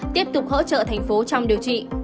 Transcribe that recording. tiếp tục hỗ trợ thành phố trong điều trị